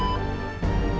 ya allah papa